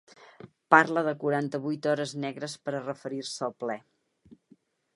Parla de ’quaranta-vuit hores negres per a referir-se al ple.